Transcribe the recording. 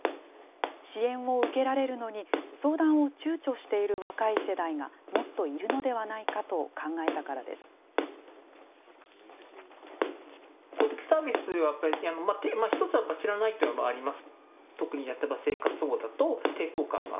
支援を受けられるのに相談をちゅうちょしている若い世代がもっといるのではないかと考えたからです。